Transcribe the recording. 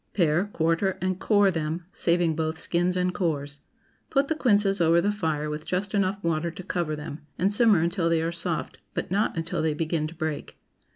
Pare, quarter, and core them, saving both skins and cores. Put the quinces over the fire with just enough water to cover them, and simmer until they are soft, but not until they begin to break.